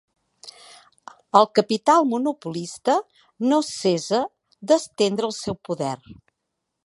El capital monopolista no cessa d'estendre el seu poder.